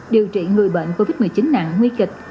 điều trị người bệnh covid một mươi chín nặng nguy kịch